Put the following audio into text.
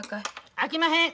あきまへん。